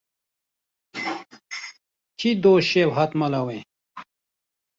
Kî doh şev hat mala we.